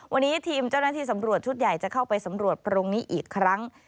วันนี้ทีมเจ้าหน้าที่สำรวจชุดใหญ่จะเข้าไปสำรวจโพรงนี้อีกครั้ง